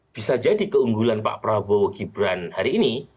bisa jadi keunggulan pak prabowo gibran hari ini